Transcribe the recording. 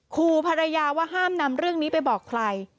ครูภรรยาว่าห้ามนำเรื่องนี้ไปบอกใคร